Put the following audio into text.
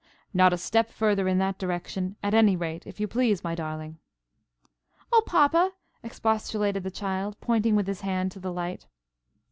"Not a step further in that direction, at any rate, if you please, my darling." "Oh, papa!" expostulated the child, pointing with his hand to the light.